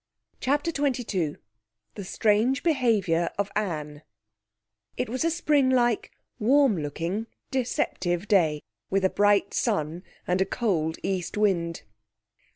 CHAPTER XXII The Strange Behaviour of Anne It was a spring like, warm looking, deceptive day, with a bright sun and a cold east wind.